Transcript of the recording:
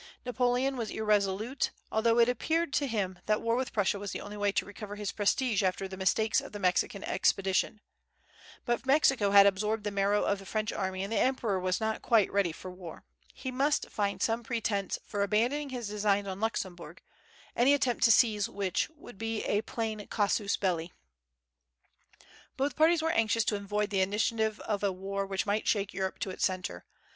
Napoleon was irresolute, although it appeared to him that war with Prussia was the only way to recover his prestige after the mistakes of the Mexican expedition. But Mexico had absorbed the marrow of the French army, and the emperor was not quite ready for war. He must find some pretence for abandoning his designs on Luxemburg, any attempt to seize which would be a plain casus belli. Both parties were anxious to avoid the initiative of a war which might shake Europe to its centre.